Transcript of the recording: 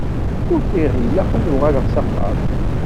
Ufiɣ ilaq ad uɣaleɣ s axxam.